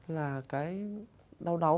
là cái đau đáu